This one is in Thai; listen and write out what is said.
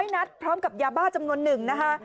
๑๐๐นัทพร้อมกับยาบ้าจำนวน๑นะคะ